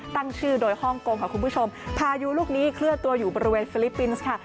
ตั้งชื่อโดยฮ่องกงค่ะคุณผู้ชมพายุลูกนี้เคลื่อนตัวอยู่บริเวณฟิลิปปินส์ค่ะ